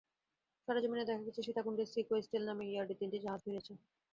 সরেজমিনে দেখা গেছে, সীতাকুণ্ডের সিকো স্টিল নামের ইয়ার্ডে তিনটি জাহাজ ভিড়েছে।